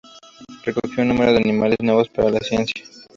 Recogió un número de animales nuevos para la ciencia.